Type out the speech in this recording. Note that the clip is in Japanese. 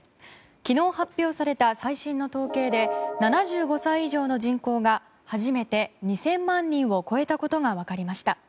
昨日発表された最新の統計で７５歳以上の人口が初めて２０００万人を超えたことが分かりました。